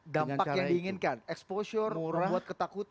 dampak yang diinginkan exposure membuat ketakutan